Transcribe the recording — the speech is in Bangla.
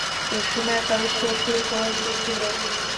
কুসুম একাই শশীর ঘর দেখিল।